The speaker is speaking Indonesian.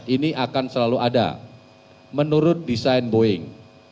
ini akan selalu ada menurut desain boeing